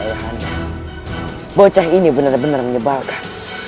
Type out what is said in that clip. dan ini benar benar menyebalkan